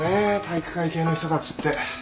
体育会系の人たちって。